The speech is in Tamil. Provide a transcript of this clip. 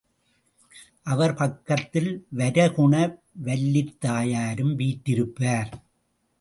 அவர் பக்கத்தில் வரகுண வல்லித்தாயாரும் வீற்றிருப்பார்.